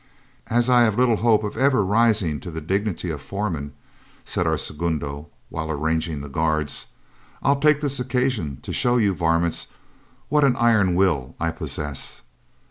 "As I have little hope of ever rising to the dignity of foreman," said our segundo, while arranging the guards, "I'll take this occasion to show you varmints what an iron will I possess.